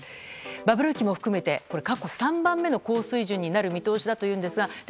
バブル期も含めて過去３番目の高水準になる見通しだということですがで